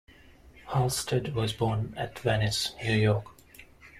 Halsted was born at Venice, New York.